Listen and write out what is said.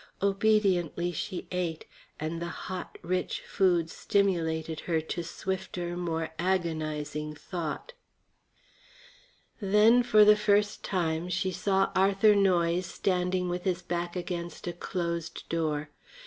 Obediently she ate, and the hot, rich food stimulated her to swifter, more agonizing thought. Then, for the first time, she saw Arthur Noyes standing with his back against a closed door.